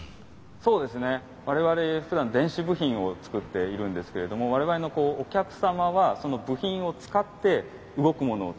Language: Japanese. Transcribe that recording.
そうですね我々ふだん電子部品を作っているんですけれども我々のお客様はその部品を使って動くものを作っている。